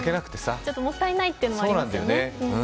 ちょっともったいないというのもありますよね。